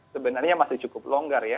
sebenarnya masih cukup longgar ya